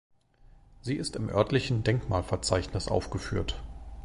Sie ist im örtlichen Denkmalverzeichnis aufgeführt.